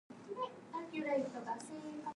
The townsite is mainly made up of summer cabins.